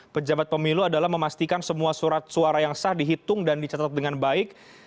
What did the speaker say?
pejabat pemilu adalah memastikan semua surat suara yang sah dihitung dan dicatat dengan baik